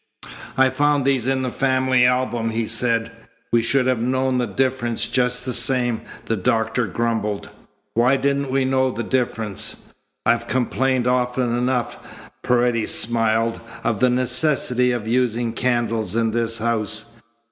"I found these in the family album," he said. "We should have known the difference just the same," the doctor grumbled. "Why didn't we know the difference?" "I've complained often enough," Paredes smiled, "of the necessity of using candles in this house.